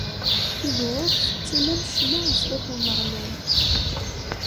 Idurar fettin am ccmaɛ sdat Umeɣlal.